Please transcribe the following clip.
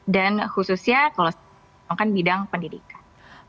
dan khususnya kalau sedangkan bidang pendidikan